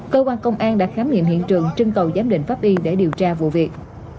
cơ quan công an đã khám nghiệm hiện trường trưng cầu giám định pháp y để điều tra vụ việc